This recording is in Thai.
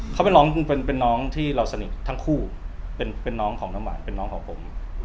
เขาเป็นน้องเป็นน้องที่เราสนิททั้งคู่เป็นน้องของน้ำหวานเป็นน้องของผม